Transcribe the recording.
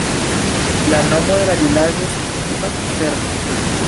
La nomo de la vilaĝo signifas "serboj".